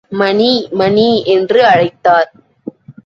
மணி, மணி என்று அழைத்தார்.